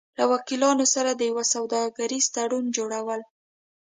-له وکیلانو سره د یو سوداګریز تړون جوړو ل